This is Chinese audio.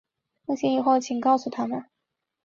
梦醒以后请告诉他们